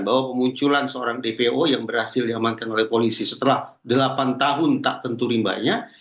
bahwa pemunculan seorang dpo yang berhasil diamankan oleh polisi setelah delapan tahun tak tentu rimbanya